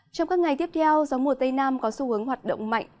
trong các ngày tiếp theo gió mùa tây nam có xu hướng hoạt động mạnh